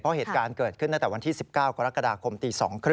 เพราะเหตุการณ์เกิดขึ้นตั้งแต่วันที่๑๙กรกฎาคมตี๒๓๐